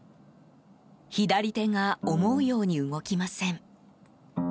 左手が思うように動きません。